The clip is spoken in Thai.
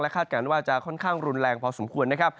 คาดการณ์ว่าจะค่อนข้างรุนแรงพอสมควรนะครับ